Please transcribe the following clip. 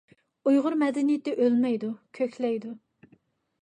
ئۇيغۇر مەدەنىيىتى ئۆلمەيدۇ، كۆكلەيدۇ!